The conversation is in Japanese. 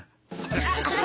ハハハハハ！